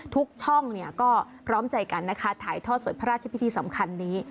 ทุกช่องก็พร้อมใจกันนะคะถ่ายทอดสดพระราชพิธีสำคัญนี้